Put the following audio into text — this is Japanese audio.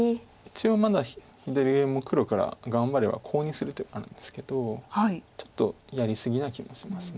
一応まだ左上も黒から頑張ればコウにする手があるんですけどちょっとやり過ぎな気もします。